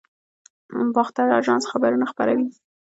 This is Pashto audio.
باختر اژانس خبرونه خپروي